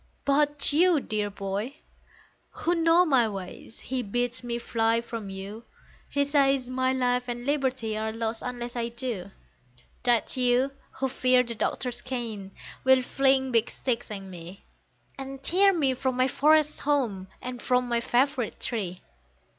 But you, dear boy, who know my ways, he bids me fly from you, He says my life and liberty are lost unless I do; That you, who fear the Doctor's cane, will fling big sticks at me, And tear me from my forest home, and from my favourite tree.